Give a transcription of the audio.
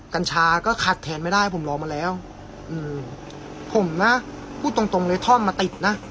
กัญชาก็ขาดแทนไม่ได้ผมรอมาแล้วอืมผมนะพูดตรงตรงเลยท่อนมาติดนะ